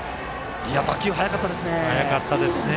打球速かったですね。